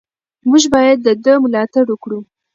موږ باید د ده ملاتړ وکړو.